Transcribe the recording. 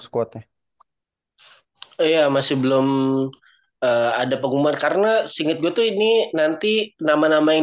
squadnya iya masih belum ada pengumuman karena seinget gue tuh ini nanti nama nama yang